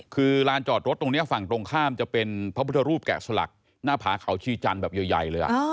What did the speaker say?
คือลานจอดรถตรงนี้ฝั่งตรงข้ามจะเป็นพระพุทธรูปแกะสลักหน้าผาเขาชีจันทร์แบบใหญ่เลย